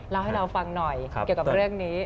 เล่าให้เราฟังหน่อยเกี่ยวกับเรื่องนี้